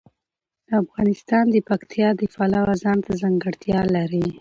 افغانستان د پکتیا د پلوه ځانته ځانګړتیا لري.